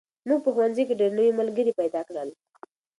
موږ په ښوونځي کې ډېر نوي ملګري پیدا کړل.